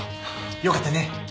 よかったね